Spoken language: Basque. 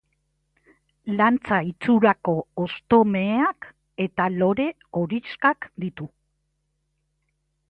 Lantza itxurako hosto meheak eta lore horixkak ditu.